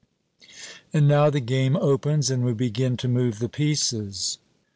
And now the game opens, and we begin to move the pieces.